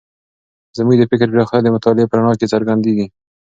زموږ د فکر پراختیا د مطالعې په رڼا کې څرګندېږي.